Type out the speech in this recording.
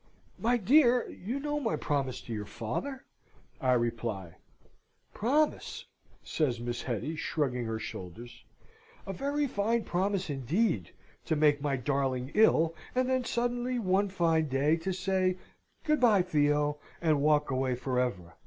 "My dear, you know my promise to your father?" I reply. "Promise!" says Miss Hetty, shrugging her shoulders. "A very fine promise, indeed, to make my darling ill, and then suddenly, one fine day, to say, 'Good bye, Theo,' and walk away for ever.